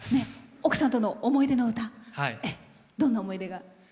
奥さんとの思い出の歌どんな思い出が？